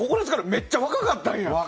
めっちゃ若かったんや。